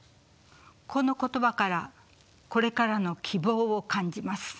この言葉からこれからの希望を感じます。